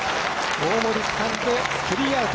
大森つかんで、スリーアウト。